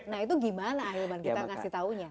nah itu gimana ahilman kita ngasih taunya